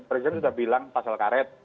presiden sudah bilang pasal karet